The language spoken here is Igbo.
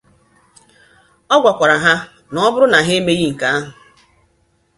Ọ gwakwara ha na ọ bụrụ na ha emeghị nke ahụ